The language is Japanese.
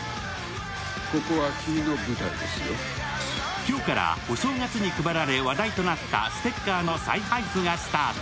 今日からお正月に配られ話題となったステッカーの再配布がスタート。